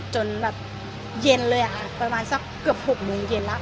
จนแบบเย็นเลยค่ะประมาณสักเกือบ๖โมงเย็นแล้ว